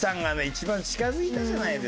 一番近づいたじゃないですか。